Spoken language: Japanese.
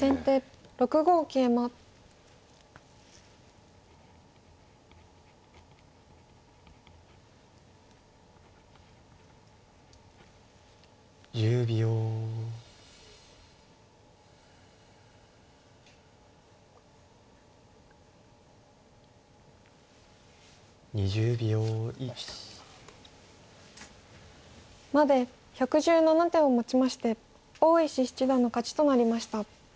まで１１７手をもちまして大石七段の勝ちとなりました。